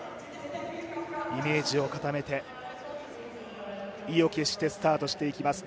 イメージを固めて、意を決してスタートしていきます。